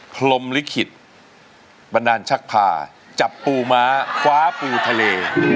พรมลิขิตบันดาลชักพาจับปูม้าคว้าปูทะเล